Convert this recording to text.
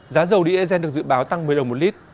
giá dầu diesel được dự báo tăng một mươi đồng một lít